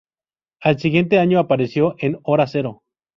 Al siguiente año apareció en Hora Cero.